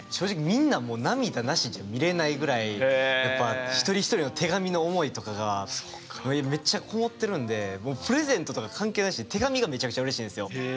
みんなもう涙なしじゃ見れないぐらいやっぱ一人一人の手紙の思いとかがめっちゃこもってるんでもうプレゼントとか関係なしに手紙がめちゃくちゃうれしいんですよ。